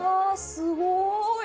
すごーい！